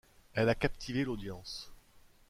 Elle a captivé l'audience.